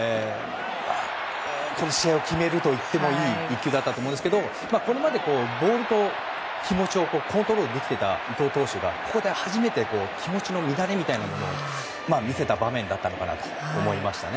この試合を決めるといってもいい１球だったと思うんですけどこれまでボールと気持ちをコントロールできてた伊藤投手がここで初めて気持ちの乱れみたいなものを見せた場面だったのかなと思いましたね。